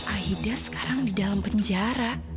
aida sekarang di dalam penjara